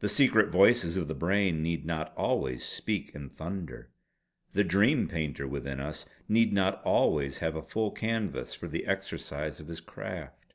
The secret voices of the brain need not always speak in thunder; the Dream Painter within us need not always have a full canvas for the exercise of his craft."